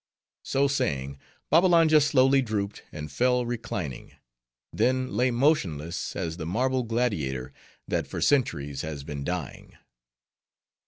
So saying, Babbalanja slowly drooped, and fell reclining; then lay motionless as the marble Gladiator, that for centuries has been dying.